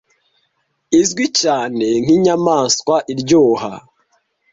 izwi cyane nk'inyamaswa iryoha